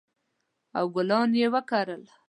او ګلان یې وکرل